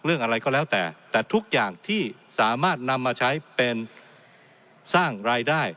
เรื่องอะไรก็แล้วแต่แต่ทุกอย่างที่สามารถนำมาใช้เป็นสร้างรายได้